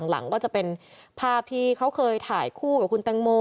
หลังก็จะเป็นภาพที่เขาเคยถ่ายคู่กับคุณแตงโม